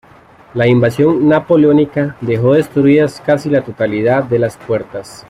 La invasión napoleónica dejó destruidas casi la totalidad de las puertas.